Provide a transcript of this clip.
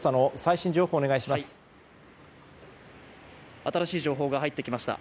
新しい情報が入ってきました。